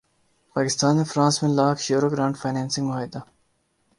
پاکستان اور فرانس میں lakh euro grant financing معاہدہ